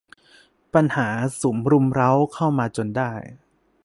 ปัญหาสุมรุมเร้าเข้ามาจนได้